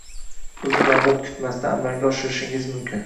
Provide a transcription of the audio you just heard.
uzun navbat kutmasdan amalga oshirishingiz mumkin.